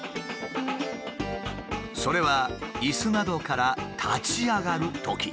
それはイスなどから立ち上がるとき。